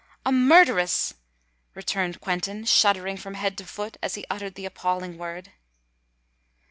"A murderess!" returned Quentin, shuddering from head to foot as he uttered the appalling word.